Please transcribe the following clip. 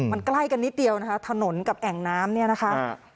มันใกล้กันนิดเดียวนะคะถนนกับแอ่งน้ำเนี่ยนะคะ